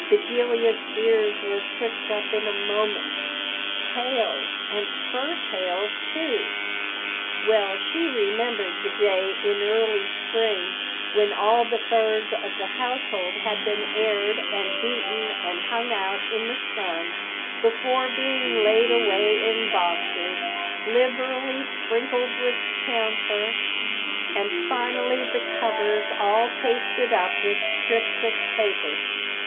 Bedelia's ears were pricked up in a moment. Tails, and fur tails, too! Well she remembered the day in early spring when all the furs of the household had been aired and beaten and hung out in the sun before being laid away in boxes, liberally sprinkled with camphor and finally the covers all pasted up with strips of paper.